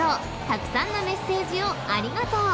たくさんのメッセージをありがとう］